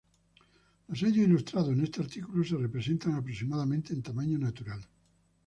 Los sellos ilustrados en este artículo se representan aproximadamente en tamaño natural.